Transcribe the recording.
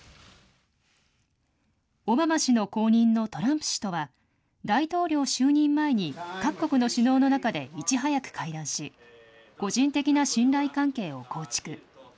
オバマ氏の後任のトランプ氏とは、大統領就任前に各国の首脳の中でいち早く会談し、個人的な信頼関係を構築。